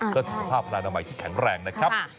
ก็จะทำภาพพลาดน้ำว้าให้แข็งแรงนะครับ